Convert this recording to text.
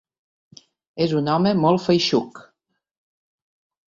És un home molt feixuc.